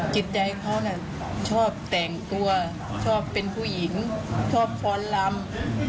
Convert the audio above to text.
จิตใจเขาน่ะชอบแต่งตัวชอบเป็นผู้หญิงชอบฟ้อนลำ